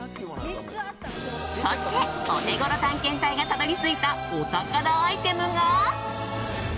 そして、オテゴロ探検隊がたどり着いたお宝アイテムが。